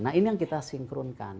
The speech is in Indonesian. nah ini yang kita sinkronkan